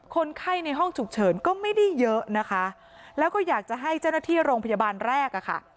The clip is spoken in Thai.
คนไข้ในห้องฉุกเฉินก็ไม่ได้เยอะนะคะแล้วก็อยากจะให้เจ้าหน้าที่โรงพยาบาลแรกอ่ะค่ะ